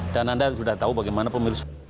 dan anda sudah tahu bagaimana pemilu